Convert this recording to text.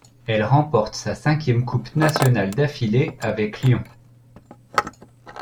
Elle remporte sa cinquième Coupe nationale d'affilée avec Lyon.